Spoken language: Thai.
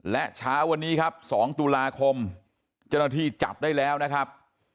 และเช้าวันนี้ครับ๒ตุลาคมเจ้าหน้าที่จับได้แล้วนะครับ